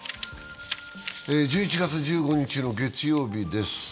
１１月１５日の月曜日です。